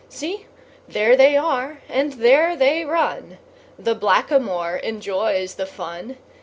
See, there they are, and there they run! The Black a moor enjoys the fun.